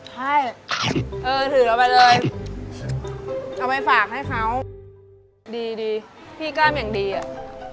ใช่เออถือเราไปเลยเอาไปฝากให้เขาดีดีพี่กล้ามอย่างดีอ่ะ